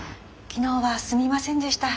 昨日はすみませんでした。